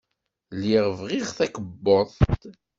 Lliɣ bɣiɣ takebbuḍt.